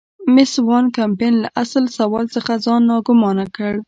مېس وان کمپن له اصل سوال څخه ځان ناګومانه کړ.